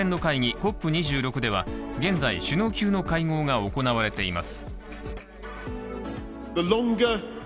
ＣＯＰ２６では、現在首脳級の会合が行われています。